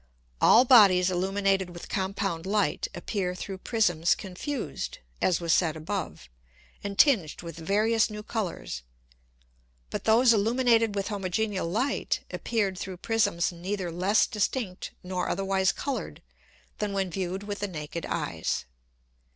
All Bodies illuminated with compound Light appear through Prisms confused, (as was said above) and tinged with various new Colours, but those illuminated with homogeneal Light appeared through Prisms neither less distinct, nor otherwise colour'd, than when viewed with the naked Eyes.